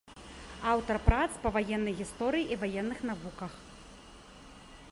Аўтар прац па ваеннай гісторыі і ваенных навуках.